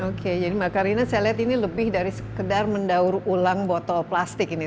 oke jadi mbak karina saya lihat ini lebih dari sekedar mendaur ulang botol plastik ini